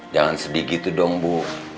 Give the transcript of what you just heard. jangan sedih gitu dong bu